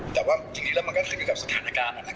แต่ว่าจริงแล้วมันก็คืออยู่กับสถานการณ์